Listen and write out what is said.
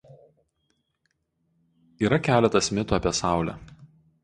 Yra keletas mitų apie saulę.